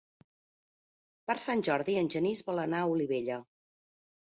Per Sant Jordi en Genís vol anar a Olivella.